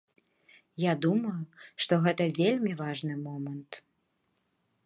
Я думаю, што гэта вельмі важны момант.